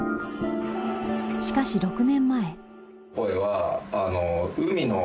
しかし６年前。